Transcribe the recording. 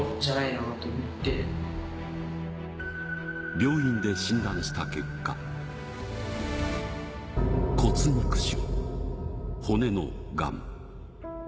病院で診断した結果、骨肉腫、骨のがん。